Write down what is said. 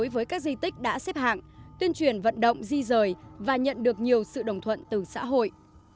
với các di tích đã xếp hạng tuyên truyền vận động di rời và nhận được nhiều sự đồng thuận từ xã hội